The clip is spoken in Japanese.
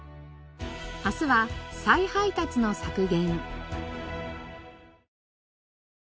明日は再配達の削減。